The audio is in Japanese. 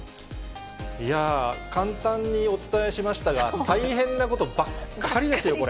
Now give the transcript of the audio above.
簡単にお伝えしましたが、大変なことばっかりですよ、これ。